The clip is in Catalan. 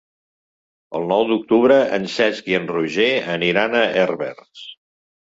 El nou d'octubre en Cesc i en Roger aniran a Herbers.